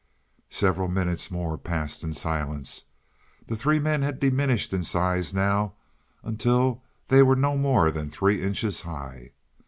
Several minutes more passed in silence. The three men had diminished in size now until they were not more than three inches high.